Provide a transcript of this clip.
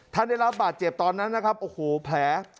ท่านได้รับบาดเจ็บตอนนั้นนะครับโอ้โหแผล